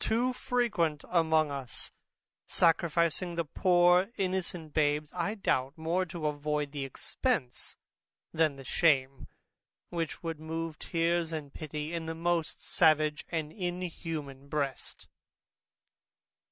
too frequent among us, sacrificing the poor innocent babes, I doubt, more to avoid the expence than the shame, which would move tears and pity in the most savage and inhuman breast.